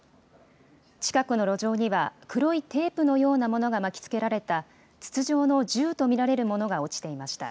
近くの路上には、黒いテープのようなものが巻きつけられた、筒状の銃と見られるものが落ちていました。